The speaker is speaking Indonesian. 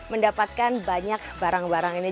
mendapatkan banyak barang barang ini